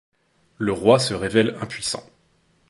Le roi se révèle impuissant.